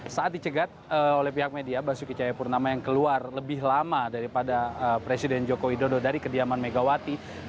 saat dicegat oleh pihak media basuki cahayapurnama yang keluar lebih lama daripada presiden joko widodo dari kediaman megawati